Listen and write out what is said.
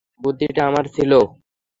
বুদ্ধিটা আমার ছিল!